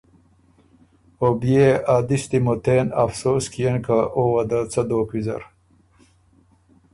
او بيې ا دِستی مُتېن افسوس کيېن که او وه ده څۀ دوک ویزر۔